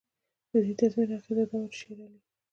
د دې تضمین اغېزه دا وه چې شېرعلي.